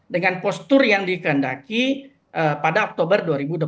dengan postur yang dikendaki pada oktober dua ribu dua puluh tiga